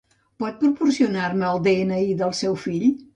Pot proporcionar-me el de-ena-i del seu fill?